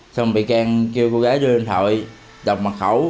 xong rồi vị can kêu cô gái đưa điện thoại đọc mật khẩu